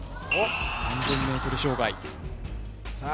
３０００ｍ障害さあ